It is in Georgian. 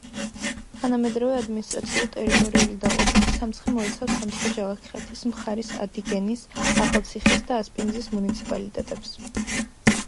თანამედროვე ადმინისტრაციულ-ტერიტორიული დაყოფით სამცხე მოიცავს სამცხე-ჯავახეთის მხარის ადიგენის, ახალციხის და ასპინძის მუნიციპალიტეტებს.